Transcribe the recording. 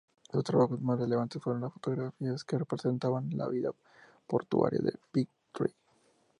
Sus trabajos más relevantes fueron las fotografías que representaban la vida portuaria en Whitby.